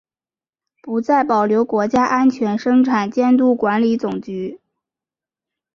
不再保留国家安全生产监督管理总局。